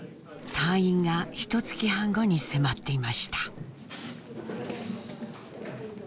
退院がひとつき半後に迫っていました。